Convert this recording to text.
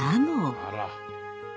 あら。